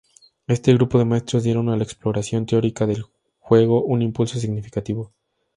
Este grupo de maestros dieron a la exploración teórica del juego un impulso significativo.